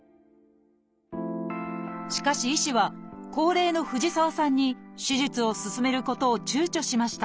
しかし医師は高齢の藤沢さんに手術を勧めることを躊躇しました。